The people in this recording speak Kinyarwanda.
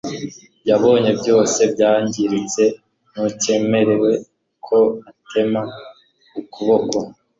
Yabonye byose byangiritse Ntukemere ko antema ukuboko